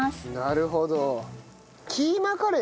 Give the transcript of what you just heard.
なるほど！